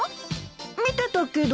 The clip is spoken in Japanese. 見てたけど。